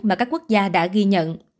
mà các quốc gia đã ghi nhận